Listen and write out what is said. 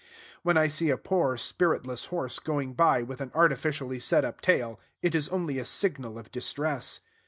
When I see a poor, spiritless horse going by with an artificially set up tail, it is only a signal of distress.